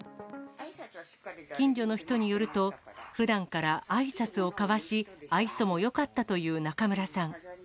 近所の人によると、ふだんからあいさつを交わし、愛想もよかったという中村さん。